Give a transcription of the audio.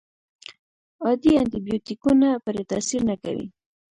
عادي انټي بیوټیکونه پرې تاثیر نه کوي.